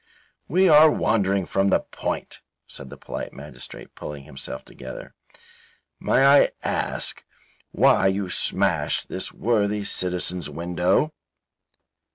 "We are wondering from the point," said the police magistrate, pulling himself together. "May I ask why you smashed this worthy citizen's window?"